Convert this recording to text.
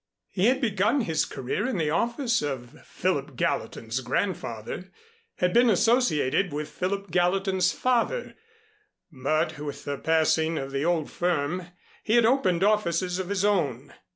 He had begun his career in the office of Philip Gallatin's grandfather, had been associated with Philip Gallatin's father, but with the passing of the old firm he had opened offices of his own.